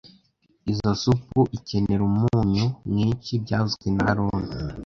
Izoi supu ikenera umunyu mwinshi byavuzwe na haruna